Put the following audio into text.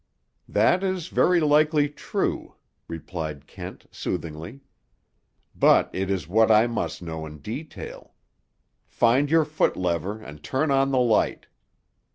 "That is very likely true," replied Kent soothingly. "But it is what I must know in detail. Find your foot lever and turn on the light."